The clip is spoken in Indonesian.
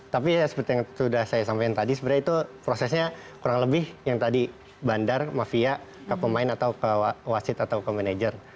tapi seperti yang sudah saya sampaikan tadi sebenarnya itu prosesnya kurang lebih yang tadi bandar mafia ke pemain atau ke wasit atau ke manajer